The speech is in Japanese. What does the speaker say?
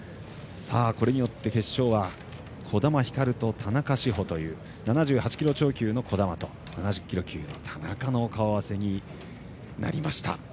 これによって決勝は児玉ひかると田中志歩という７８キロ超級の児玉と７０キロ級の田中の顔合わせになりました。